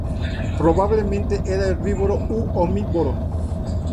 Probablemente era herbívoro u omnívoro.